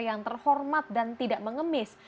yang terhormat dan tidak mengemis